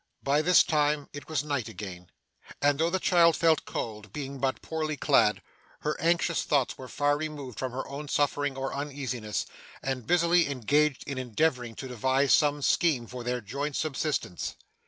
By this time it was night again, and though the child felt cold, being but poorly clad, her anxious thoughts were far removed from her own suffering or uneasiness, and busily engaged in endeavouring to devise some scheme for their joint subsistence.